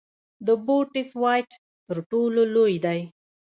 د بوټس وایډ تر ټولو لوی دی.